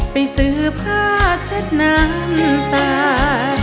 ไปซื้อผ้าเช็ดน้ำตา